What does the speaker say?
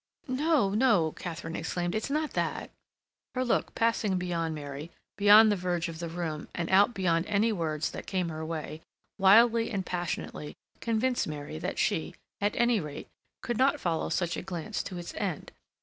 "No, no," Katharine exclaimed. "It's not that—" Her look, passing beyond Mary, beyond the verge of the room and out beyond any words that came her way, wildly and passionately, convinced Mary that she, at any rate, could not follow such a glance to its end.